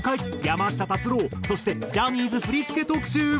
山下達郎そしてジャニーズ振り付け特集。